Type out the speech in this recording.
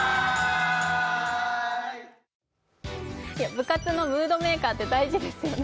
部活のムードメーカーって大事ですよね。